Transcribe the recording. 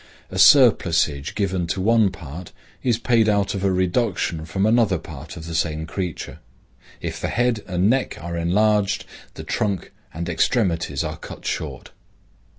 A surplusage given to one part is paid out of a reduction from another part of the same creature. If the head and neck are enlarged, the trunk and extremities are cut short.